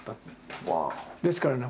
ですからね